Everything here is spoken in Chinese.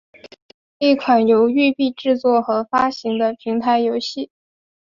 是一款由育碧制作和发行的平台游戏。